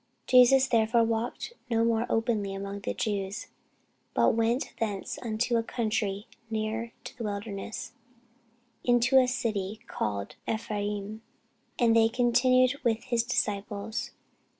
Jesus therefore walked no more openly among the Jews; but went thence unto a country near to the wilderness, into a city called Ephraim, and there continued with his disciples.